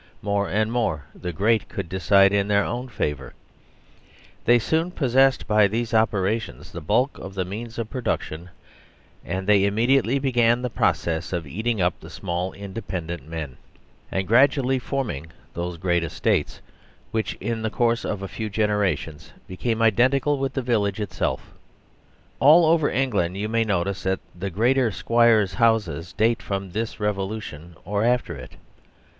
More and more the great could decide in their own favour. They soon possessed by these operations the bulk of 64 THE DISTRIBUTIVE FAILED the means of production, and they immediately began the process of eating up the small independent men and gradually forming those great estates which, in the course of a few generations, became identical with the village itself. All over England you may notice that the great squires' houses date from this revolu tion or after it.